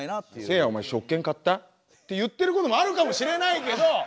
「せいやおまえ食券買った？」って言ってることもあるかもしれないけど！